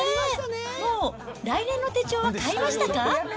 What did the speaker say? もう来年の手帳は買いましたか？